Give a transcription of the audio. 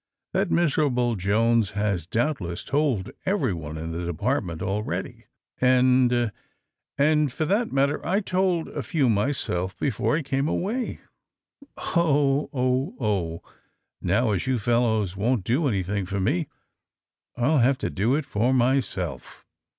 '^ That miserable Jones has doubtless told everyone in the Department al ready. And — and, for that matter, I told a few myself before I came away. Oh ! oh ! oh 1 Now, ^s you fellows won't do anything for me I shall have to do it for myself."